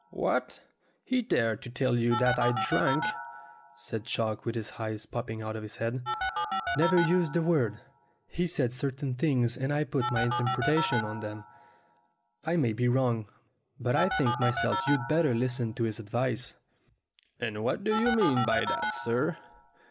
"What! He dared to tell you that I drank?" said Chalk, with his eyes popping out of his head. "Never used the word. He said certain things, and I put my interpretation on them. I may be wrong; but I think myself you'd better listen to his advice." "And what do you mean by that, sir